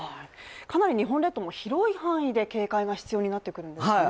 かなり日本列島も広い範囲で警戒が必要になってくるんですね。